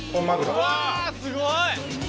うわすごい。